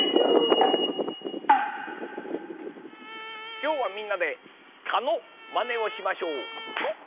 きょうはみんなで蚊のまねをしましょう。